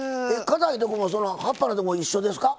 かたいとこも葉っぱのとこも一緒ですか？